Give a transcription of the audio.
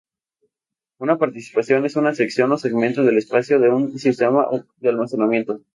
Una partición es una sección o segmento del espacio de un sistema de almacenamiento.